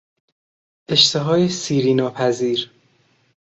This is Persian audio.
اشتهای سیری ناپذیر